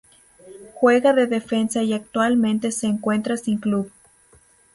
Juega de defensa y actualmente se encuentra sin Club.